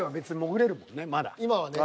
今はね。